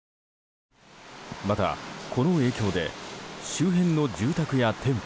また、この影響で周辺の住宅や店舗